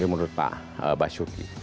ini menurut pak basuki